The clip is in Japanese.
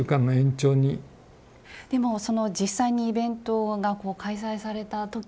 でもその実際にイベントがこう開催された時は。